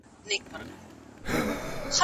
ځینې ستونزې تر بلوغ مرحلې پورې دوام لري.